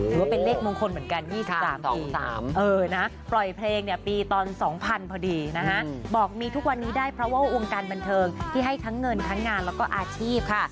คือวงการบันเทิงที่ให้ทั้งเงินทั้งงานแล้วก็อาชีพค่ะ